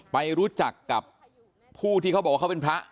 ไปรู้จักกับผู้ที่เขาบอกว่าเขาเป็นพระ